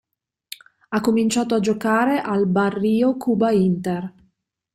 Ha cominciato a giocare al Barrio Cuba Inter.